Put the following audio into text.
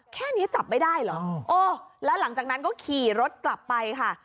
แค่นี้จับไม่ได้เหรอโอ้แล้วหลังจากนั้นก็ขี่รถกลับไปค่ะ